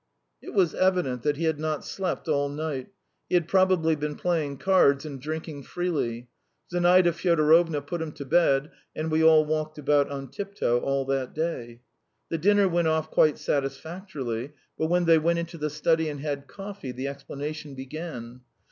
It was evident that he had not slept all night; he had probably been playing cards and drinking freely. Zinaida Fyodorovna put him to bed, and we all walked about on tiptoe all that day. The dinner went off quite satisfactorily, but when they went into the study and had coffee the explanation began.